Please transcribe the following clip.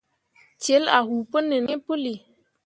Celle a huu pu nin hi puli.